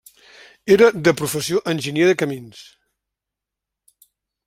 Era de professió enginyer de camins.